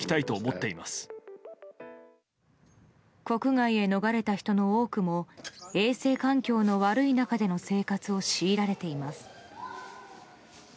国外へ逃れた人の多くも衛生環境の悪い中での生活を強いられています。